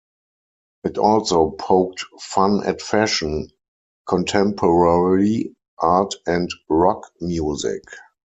It also poked fun at fashion, contemporary art and rock music.